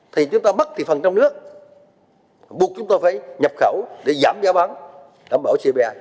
thì chúng ta mất thị phần trong nước buộc chúng ta phải nhập khẩu để giảm giá bán đảm bảo cbi